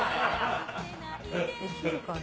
できるかな。